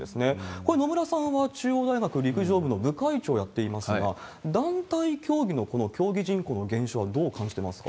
これ、野村さんは中央大学陸上部の部会長をやっていますが、団体競技のこの競技人口の減少はどう感じていますか。